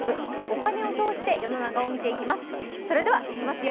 お金を通して世の中を見ていきます。